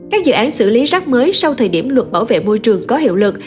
các dự án xử lý rác mới sau thời điểm luật bảo vệ môi trường có hiệu lực